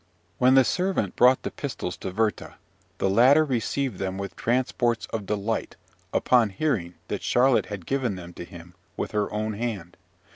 When the servant brought the pistols to Werther, the latter received them with transports of delight upon hearing that Charlotte had given them to him with her own hand.